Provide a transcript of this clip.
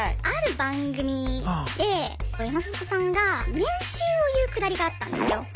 ある番組で山里さんが年収を言うくだりがあったんですよ。